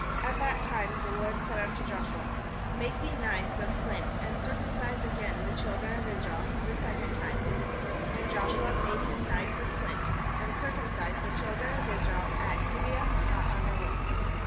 2At that time the LORD said unto Joshua: 'Make thee knives of flint, and circumcise again the children of Israel the second time/ 8And Joshua made him knives of flint, and cir cumcised the children of Israel at Kjribeath ha araloth.